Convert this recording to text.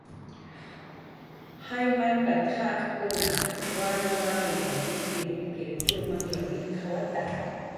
"Jaymarkkunaq wanwan jallkatp""t"" illkirillkir turmany illk""awi "